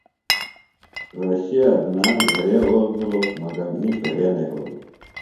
رھوشے عدنان گھرے اول بِھلوۡ۔ مگم اِنڇ گھرے نہ یھولوۡ۔